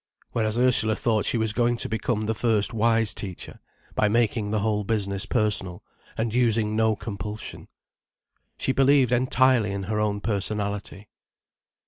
Whereas Ursula thought she was going to become the first wise teacher by making the whole business personal, and using no compulsion. She believed entirely in her own personality.